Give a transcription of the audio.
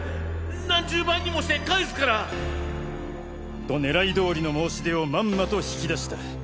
何十倍にもして返すから！と狙いどおりの申し出をまんまと引き出した。